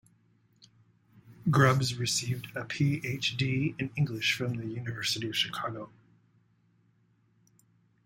Grubbs received a Ph.D. in English from the University of Chicago.